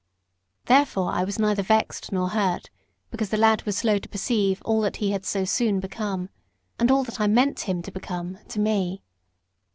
Therefore I was neither vexed nor hurt because the lad was slow to perceive all that he had so soon become, and all that I meant him to become, to me.